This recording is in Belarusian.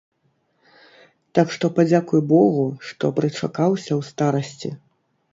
Так што падзякуй богу, што прычакаўся ў старасці.